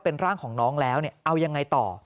เป็นร่างของน้องแล้วเอายังไงต่อ